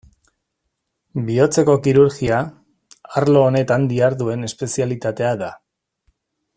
Bihotzeko kirurgia arlo honetan diharduen espezialitatea da.